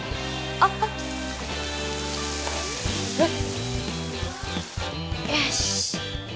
あっあっ